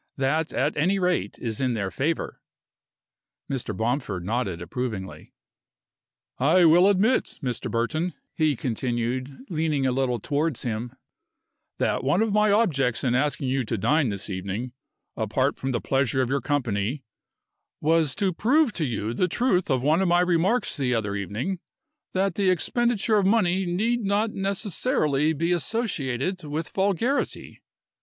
That, at any rate, is in their favor." Mr. Bomford nodded approvingly. "I will admit, Mr. Burton," he continued, leaning a little towards him, "that one of my objects in asking you to dine this evening, apart from the pleasure of your company, was to prove to you the truth of one of my remarks the other evening that the expenditure of money need not necessarily be associated with vulgarity.